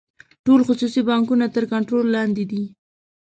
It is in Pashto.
ټول خصوصي بانکونه تر کنټرول لاندې دي.